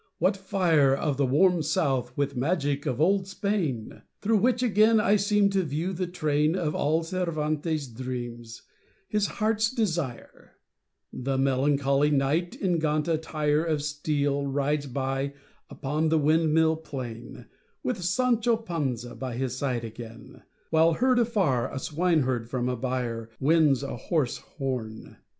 what fire Of the "warm South" with magic of old Spain! Through which again I seem to view the train Of all Cervantes' dreams, his heart's desire: The melancholy Knight, in gaunt attire Of steel rides by upon the windmill plain With Sancho Panza by his side again, While, heard afar, a swineherd from a byre Winds a hoarse horn.